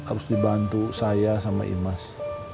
harus dibantu saya sama imas